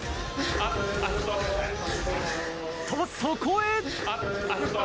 とそこへ。